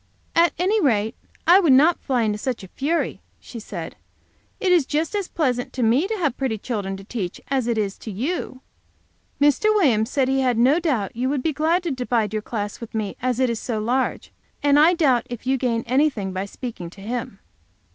"At any rate, I would not fly into such a fury," she said. "It is just as pleasant to me to have pretty children to teach as it is to you. Mr. Williams said he had no doubt you would be glad to divide your class with me, as it is so large; and I doubt if you gain anything by speaking to him."